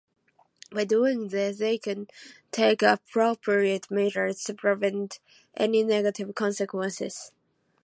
By doing this, they can take appropriate measures to prevent any negative consequences.